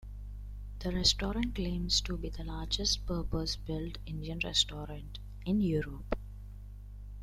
The restaurant claims to be the largest purpose-built Indian restaurant in Europe.